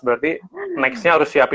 berarti nextnya harus siapin